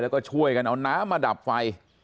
แล้วก็ช่วยกันเอาน้ำมาดับไฟ